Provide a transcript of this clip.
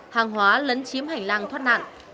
hàng hóa lấn chiếm hành lang thoát nạn